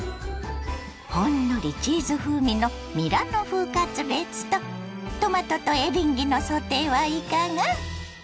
ほんのりチーズ風味のミラノ風カツレツとトマトとエリンギのソテーはいかが？